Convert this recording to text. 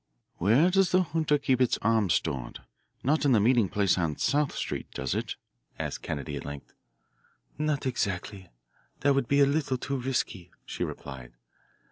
"Where does the junta keep its arms stored not in the meeting place on South Street does it?" asked Kennedy at length. "Not exactly; that would be a little too risky," she replied.